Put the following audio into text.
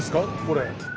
これ。